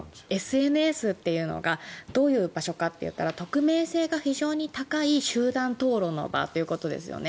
ＳＮＳというのがどういう場所かと言ったら匿名性が非常に高い集団討論の場ということですよね。